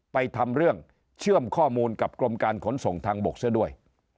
ทำเรื่องเชื่อมข้อมูลกับกรมการขนส่งทางบกซะด้วย